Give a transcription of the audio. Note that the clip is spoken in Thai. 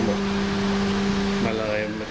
จุดสุดมาก